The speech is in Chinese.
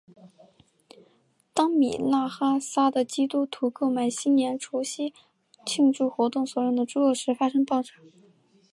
当米纳哈萨的基督徒购买新年除夕庆祝活动所用的猪肉时发生爆炸。